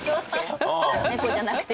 猫じゃなくて。